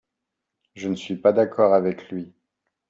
je ne suis pas d'accord avec lui.